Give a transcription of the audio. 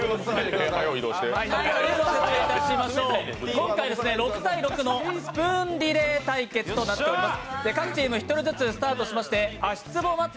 今回６対６のスプーンリレー対決となっております。